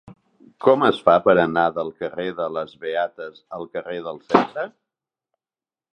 Com es fa per anar del carrer de les Beates al carrer del Segre?